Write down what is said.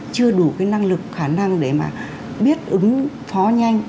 có năng lực khả năng để biết ứng phó nhanh